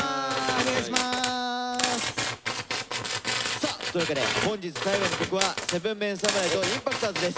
さあというわけで本日最後の曲は７ＭＥＮ侍とＩＭＰＡＣＴｏｒｓです。